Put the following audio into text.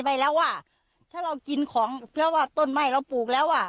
ไปแล้วว่าถ้าเรากินของเพื่อว่าต้นไม้เราปลูกแล้วอ่ะ